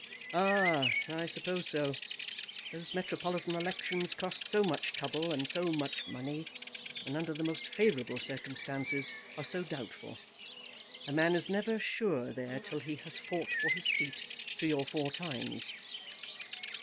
"Ah! I suppose so. Those Metropolitan elections cost so much trouble and so much money, and under the most favourable circumstances, are so doubtful. A man is never sure there till he has fought for his seat three or four times."